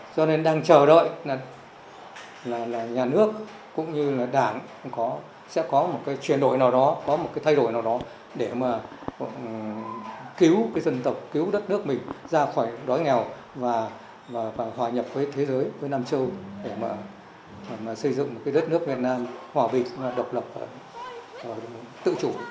do nên đang chờ đợi nhà nước cũng như là đảng sẽ có một cái chuyển đổi nào đó có một cái thay đổi nào đó để mà cứu dân tộc cứu đất nước mình ra khỏi đói nghèo và hòa nhập với thế giới với nam châu để mà xây dựng một cái đất nước việt nam hòa bình độc lập tự chủ